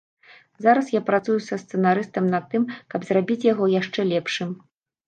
Зараз я працую са сцэнарыстам над тым, каб зрабіць яго яшчэ лепшым.